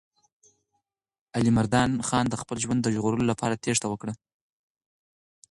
علیمردان خان د خپل ژوند د ژغورلو لپاره تېښته وکړه.